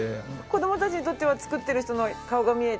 子どもたちにとっては作ってる人の顔が見えて。